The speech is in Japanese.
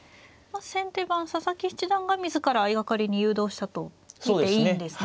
先手番佐々木七段が自ら相掛かりに誘導したと見ていいんですね。